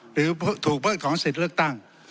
หรือถูกเพิกถอนสิทธิ์เลือกตั้ง